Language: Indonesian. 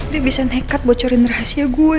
dia bisa nekat bocorin rahasia gue